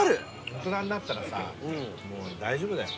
大人になったらさもう大丈夫だよ。